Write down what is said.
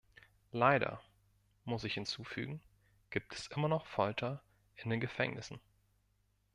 Leider, muss ich hinzufügen, gibt es immer noch Folter in den Gefängnissen!